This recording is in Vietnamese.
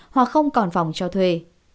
hoặc không còn phòng cho thuê